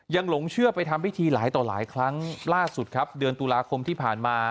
หลงเชื่อไปทำพิธีหลายต่อหลายครั้งล่าสุดครับเดือนตุลาคมที่ผ่านมา